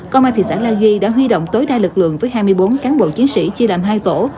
công an thị xã la ghi đã huy động tối đa lực lượng với hai mươi bốn cán bộ chiến sĩ chia làm hai tổ